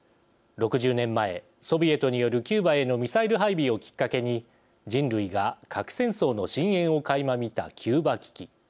６０年前ソビエトによるキューバへのミサイル配備をきっかけに人類が核戦争の深えんをかいま見たキューバ危機。